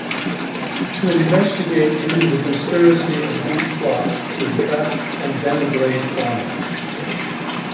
To investigate into the conspiracy and deep plot to entrap and denigrate farmers.